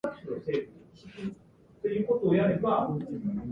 カーボベルデの首都はプライアである